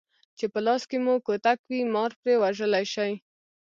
چې په لاس کې مو کوتک وي مار پرې وژلی شئ.